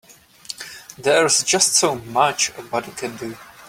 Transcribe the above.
There's just so much a body can do.